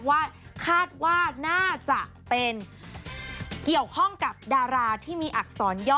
ว่าคาดว่าน่าจะเป็นเกี่ยวข้องกับดาราที่มีอักษรย่อ